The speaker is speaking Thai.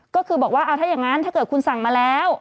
ก็คือบอกว่าเอาถ้าอย่างนั้นถ้าเกิดคุณสั่งมาแล้ว